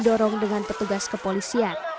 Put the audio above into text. ketua sempurna menemukan petugas kepolisian